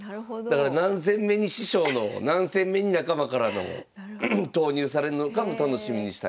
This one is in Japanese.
だから何戦目に師匠のを何戦目に仲間からのを投入されるのかも楽しみにしたいなと。